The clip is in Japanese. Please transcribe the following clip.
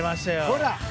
ほら。